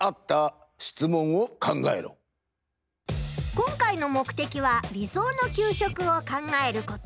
今回の目的は理想の給食を考えること。